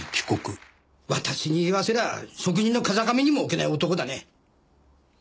私に言わせりゃあ職人の風上にも置けない男だね。